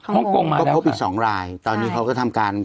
พบอีกสองรายตอนนี้เขาก็ทำการ